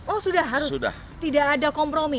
oh sudah harus tidak ada kompromi